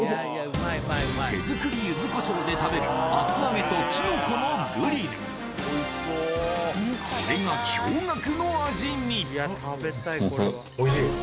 手作りゆず胡椒で食べる厚揚げとキノコのグリルこれがおいしいです。